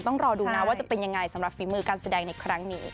ต้องรอดูนะว่าจะเป็นยังไงสำหรับฝีมือการแสดงในครั้งนี้